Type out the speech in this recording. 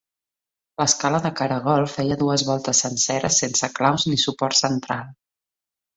L'escala de caragol feia dues voltes senceres sense claus ni suport central.